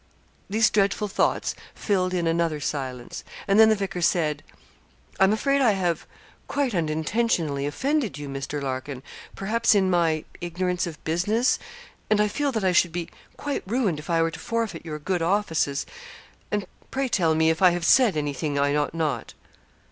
These dreadful thoughts filled in another silence; and then the vicar said 'I am afraid I have, quite unintentionally, offended you, Mr. Larkin perhaps in my ignorance of business; and I feel that I should be quite ruined if I were to forfeit your good offices; and, pray tell me, if I have said anything I ought not.'